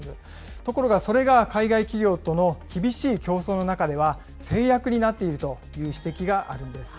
ところがそれが海外企業との厳しい競争の中では、制約になっているという指摘があるんです。